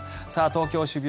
東京・渋谷